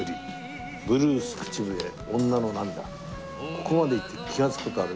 ここまで言って気がつく事ある？